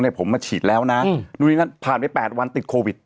ผมมาฉีดแล้วนะนุ้ยนั้นผ่านไป๘วันติดโควิด